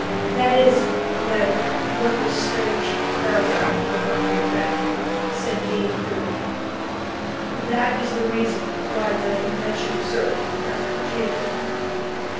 "That is, then, what this strange paragraph of the document meant," said Dean Toodrink. "That is the reason why they mentioned certain geographical changes."